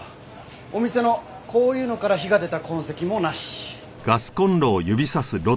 お店のこういうのから火が出た痕跡もなし。